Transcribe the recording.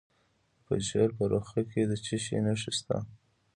د پنجشیر په روخه کې د څه شي نښې دي؟